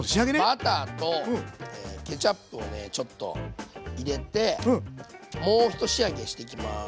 バターとケチャップをねちょっと入れてもう一仕上げしていきます。